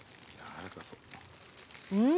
うん！